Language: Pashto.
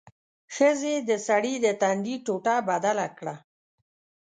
ښځې د سړي د تندي ټوټه بدله کړه.